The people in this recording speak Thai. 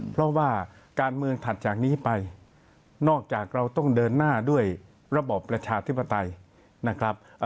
เพราะว่าการเมืองถัดจากนี้ไปนอกจากเราต้องเดินหน้าด้วยระบอบประชาธิปไตยนะครับ